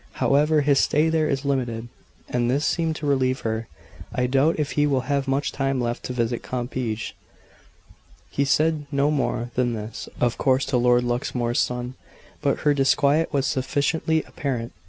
However his stay there is limited;" and this seemed to relieve her. "I doubt if he will have much time left to visit Compiegne." She said no more than this, of course, to Lord Luxmore's son; but her disquiet was sufficiently apparent.